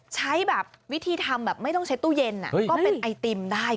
ใช้แบบวิธีทำแบบไม่ต้องใช้ตู้เย็นก็เป็นไอติมได้